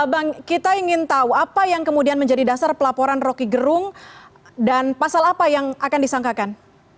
bang kita ingin tahu apa yang kemudian menjadi dasar pelaporan roky gerung dan pasal apa yang akan disangkakan